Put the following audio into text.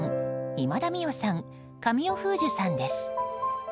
今田美桜さん、神尾楓珠さんです。